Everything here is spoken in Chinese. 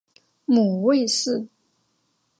母魏氏。